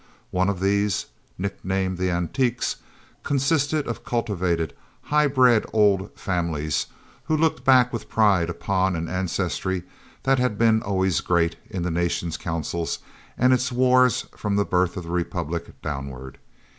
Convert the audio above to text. One of these, (nick named the Antiques,) consisted of cultivated, high bred old families who looked back with pride upon an ancestry that had been always great in the nation's councils and its wars from the birth of the republic downward.